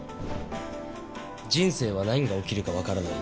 人生は何が起きるかわからない。